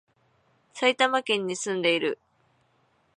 埼玉県に住んでいる